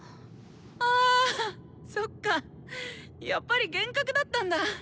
はぁそっかやっぱり幻覚だったんだ。